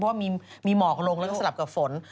เพราะว่ามีหมอกลงแล้วก็สลับกับฝน